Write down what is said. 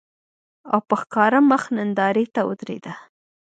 او په ښکاره مخ نندارې ته ودرېده